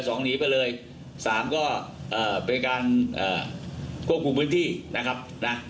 หนีไปเลยสามก็เอ่อเป็นการเอ่อควบคุมพื้นที่นะครับนะ